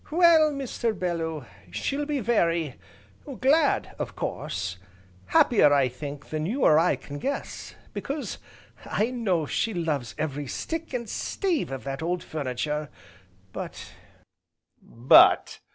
"Well, Mr. Bellew, she'll be very glad, of course, happier I think, than you or I can guess, because I know she loves every stick, and stave of that old furniture, but " "But!"